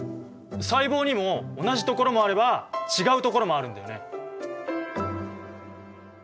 細胞にも同じところもあれば違うところもあるんだよね。